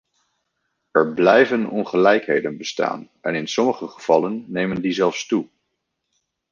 Er blijven ongelijkheden bestaan, en in sommige gevallen nemen die zelfs toe.